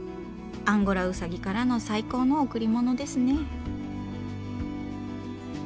アンゴラウサギからの最高の贈り物ですね。